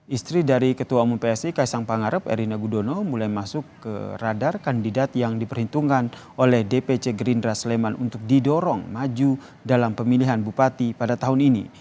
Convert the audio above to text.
istri dari ketua umum psi kaisang pangarep erina gudono mulai masuk ke radar kandidat yang diperhitungkan oleh dpc gerindra sleman untuk didorong maju dalam pemilihan bupati pada tahun ini